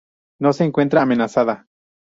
No se encuentra amenazada.